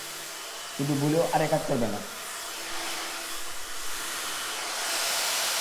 কিন্ত ভুলেও আর একাজ করবে না।